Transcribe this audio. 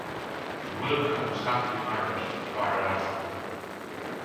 The Wilbrahams, happily married, are in Africa.